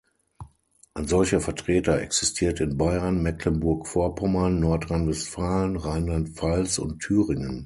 Ein solcher Vertreter existiert in Bayern, Mecklenburg-Vorpommern, Nordrhein-Westfalen, Rheinland-Pfalz und Thüringen.